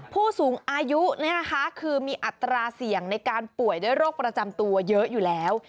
ผู้สูงอายุคือมีอัตราเสี่ยงในการป่วยด้วยโรคประจำตัวเยอะอยู่แล้ว